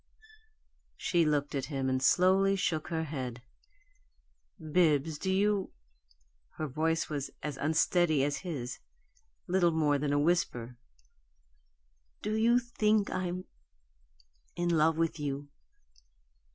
She looked at him, and slowly shook her head. "Bibbs, do you " Her voice was as unsteady as his little more than a whisper. "Do you think I'm in love with you?"